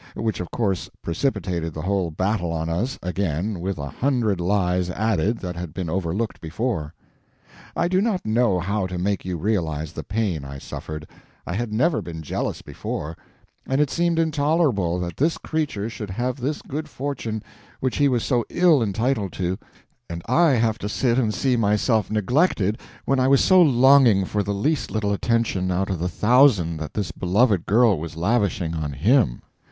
—which of course precipitated the whole battle on us, again, with a hundred lies added that had been overlooked before. I do not know how to make you realize the pain I suffered. I had never been jealous before, and it seemed intolerable that this creature should have this good fortune which he was so ill entitled to, and I have to sit and see myself neglected when I was so longing for the least little attention out of the thousand that this beloved girl was lavishing on him.